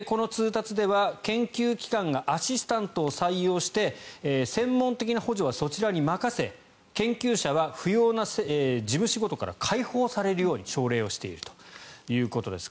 この通達では研究機関がアシスタントを採用して専門的な補助はそちらに任せ研究者は不要な事務仕事から解放されるように奨励をしているということです。